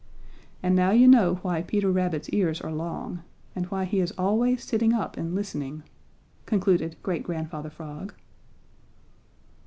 And now you know why Peter Rabbit's ears are long, and why he is always sitting up and listening," concluded Great Grandfather Frog.